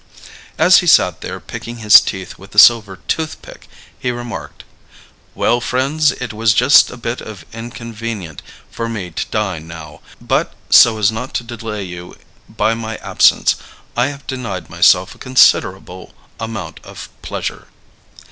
As he sat there picking his teeth with a silver toothpick, he remarked: "Well, friends, it was just a bit inconvenient for me to dine now; but, so as not to delay you by my absence, I have denied myself a considerable amount of pleasure."